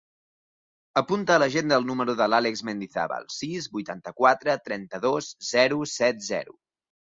Apunta a l'agenda el número de l'Àlex Mendizabal: sis, vuitanta-quatre, trenta-dos, zero, set, zero.